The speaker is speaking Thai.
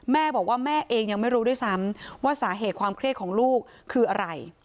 แม่บอกว่าแม่เองยังไม่รู้ด้วยซ้ำว่าสาเหตุความเครียดของลูกคืออะไร